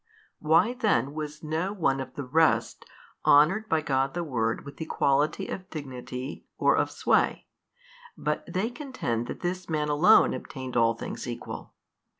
Why then was no one of the rest honoured by God the Word with equality of dignity or of sway, but they contend that this man alone obtained all things equal?